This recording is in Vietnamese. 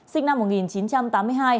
sinh năm một nghìn chín trăm tám mươi hai